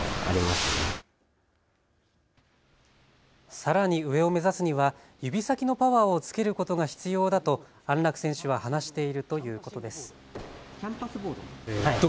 さらに上を目指すには指先のパワーをつけることが必要だと安楽選手は話しているということです。